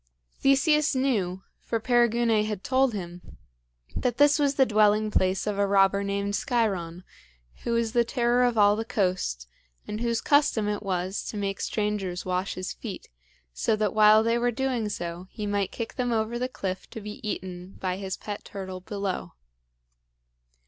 Theseus knew for Perigune had told him that this was the dwelling place of a robber named Sciron, who was the terror of all the coast, and whose custom it was to make strangers wash his feet, so that while they were doing so, he might kick them over the cliff to be eaten, by his pet turtle below.